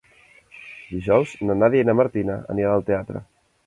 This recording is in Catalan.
Dijous na Nàdia i na Martina aniran al teatre.